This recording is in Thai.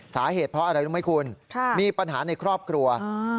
สาเหตุเพราะอะไรรู้ไหมคุณมีปัญหาในครอบครัว